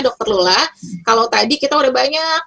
dr lola kalau tadi kita udah banyak